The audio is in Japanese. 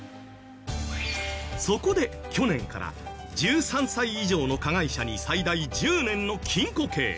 そこで去年から１３歳以上の加害者に最大１０年の禁錮刑